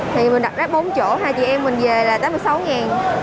thì mình đặt ráp bốn chỗ hai chị em mình về là tám mươi sáu ngàn